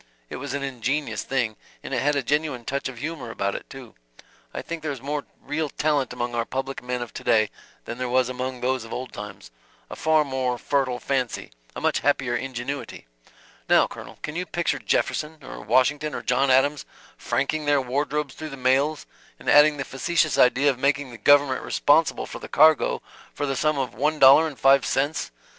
It was an ingenious thing and it had a genuine touch of humor about it, too. I think there is more real talent among our public men of to day than there was among those of old times a far more fertile fancy, a much happier ingenuity. Now, Colonel, can you picture Jefferson, or Washington or John Adams franking their wardrobes through the mails and adding the facetious idea of making the government responsible for the cargo for the sum of one dollar and five cents?